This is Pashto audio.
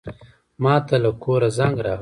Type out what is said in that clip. ماته له کوره زنګ راغی.